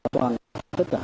cái sự cố mà đáng tiếc này